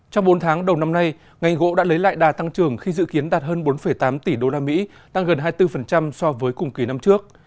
trong bốn tháng đầu năm nay ngành gỗ đã lấy lại đà tăng trưởng khi dự kiến đạt hơn bốn tám tỷ usd tăng gần hai mươi bốn so với cùng kỳ năm trước